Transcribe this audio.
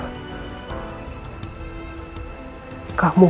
nanti akan padahal kosong